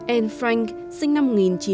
anne frank sinh năm một nghìn chín trăm hai mươi sáu